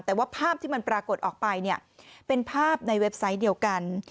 แต่ว่าภาพที่มันปรากฏออกไปเนี่ยเป็นภาพในเว็บไซต์เดียวกัน